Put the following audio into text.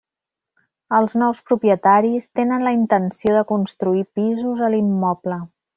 Els nous propietaris tenen la intenció de construir pisos a l'immoble.